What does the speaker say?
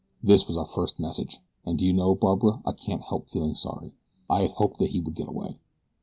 This was our first message. And do you know, Barbara, I can't help feeling sorry. I had hoped that he would get away."